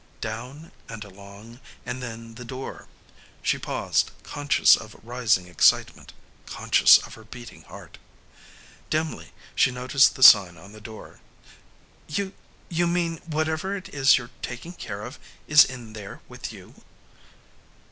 Down and along and then the door. She paused, conscious of rising excitement, conscious of her beating heart. Dimly she noticed the sign on the door. "You you mean whatever it is you're taking care of is in there with you?"